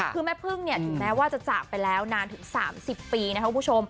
คือแม่พึ่งเนี่ยถึงแม้ว่าจะจากไปแล้วนานถึง๓๐ปีนะครับคุณผู้ชม